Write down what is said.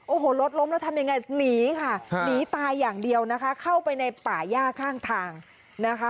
โอ้โหรถล้มแล้วทำยังไงหนีค่ะหนีตายอย่างเดียวนะคะเข้าไปในป่าย่าข้างทางนะคะ